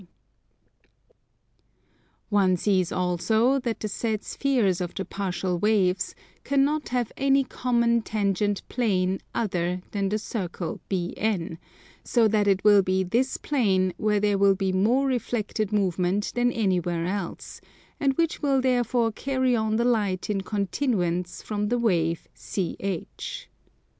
One sees also that the said spheres of the partial waves cannot have any common tangent plane other than the circle BN; so that it will be this plane where there will be more reflected movement than anywhere else, and which will therefore carry on the light in continuance from the wave CH.